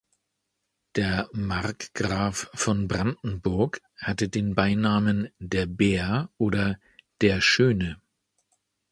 Der Markgraf von Brandenburg hatte den Beinamen "der Bär" oder "der Schöne".